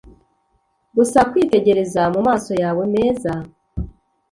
gusa kwitegereza mumaso yawe meza